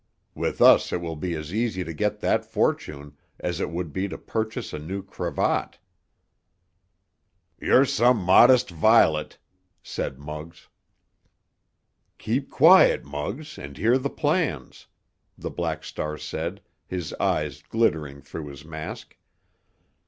With us it will be as easy to get that fortune as it would be to purchase a new cravat." "You're some modest violet!" said Muggs. "Keep quiet, Muggs, and hear the plans," the Black Star said, his eyes glittering through his mask.